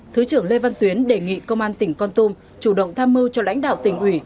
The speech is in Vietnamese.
thứ trưởng lê văn tuyến đề nghị công an tỉnh con tum chủ động tham mưu cho lãnh đạo tỉnh ủy